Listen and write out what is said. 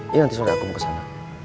iya nanti sore aku mau ke sana